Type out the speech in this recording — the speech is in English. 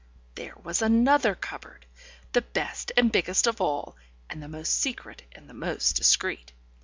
There was another cupboard, the best and biggest of all and the most secret and the most discreet.